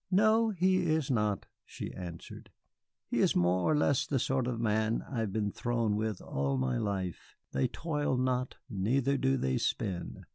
"No, he is not," she answered. "He is more or less the sort of man I have been thrown with all my life. They toil not, neither do they spin.